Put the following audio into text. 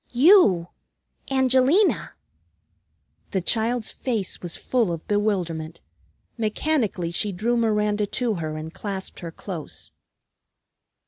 "You! Angelina!" the child's face was full of bewilderment. Mechanically she drew Miranda to her and clasped her close.